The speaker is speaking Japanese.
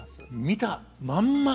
見たまんま。